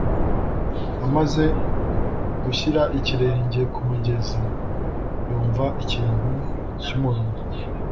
amaze gushyira ikirenge mu mugezi, yumva ikintu kimurumye.